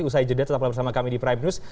usai jeda tetaplah bersama kami di prime news